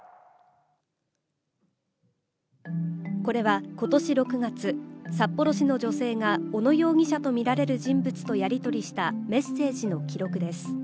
これはことし６月、札幌市の女性が、小野容疑者と見られる人物とやり取りしたメッセージの記録です。